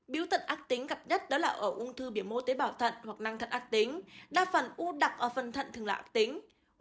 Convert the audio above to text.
biếu thật ác tính gặp nhất đó là ở ung thư biểu mô tế bào thận hoặc năng thận ác tính đa phần u đặc ở phần thận thường là ác tính